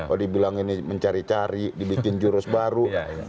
kalau dibilang ini mencari cari dibikin jurus baru